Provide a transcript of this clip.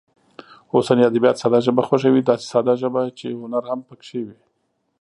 اوسني ادبیات ساده ژبه خوښوي، داسې ساده ژبه چې هنر هم پکې وي.